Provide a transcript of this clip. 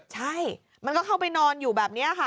ใช่มันก็เข้าไปนอนอยู่แบบนี้ค่ะ